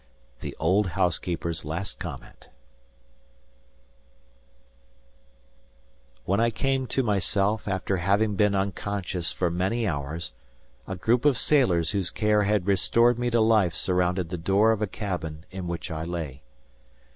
XVIII. THE OLD HOUSEKEEPER'S LAST COMMENT When I came to myself after having been unconscious for many hours, a group of sailors whose care had restored me to life surrounded the door of a cabin in which I lay.